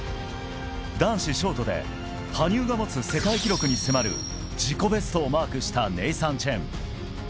男子ショートで羽生が持つ世界記録に迫る自己ベストをマークしたネイサン・チェン。